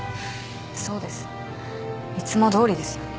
そうです。いつもどおりですよ。